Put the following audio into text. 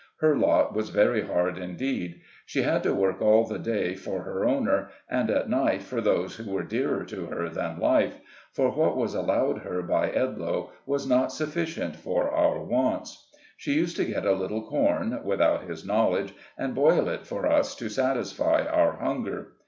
Her lot was very hard indeed. She had to work all the day for her owner, and at night for those who were dearer to her than life ; for what was allowed her by Edloe was not sufficient for our wants. She used to get a little corn, without his knowledge, and boil it for us to satisfy our hunger.